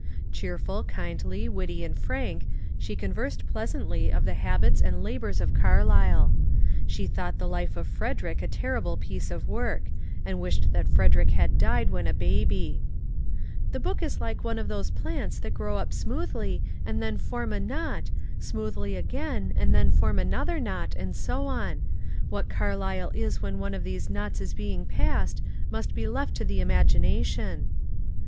Cheerful, kindly, witty, and frank, she conversed pleasantly of the habits and labours of Carlyle. She thought the Life of Frederick a ter rible piece of work, and wished that Frederick had died when MEETING WITH CARLYLE 395 a baby. ^^ The book is like one of those plants that grow up smoothly and then form a knot, smoothly again and then form another knot, and so on: what Carlyle is when one of those knots is being passed must be left to the imagina tion."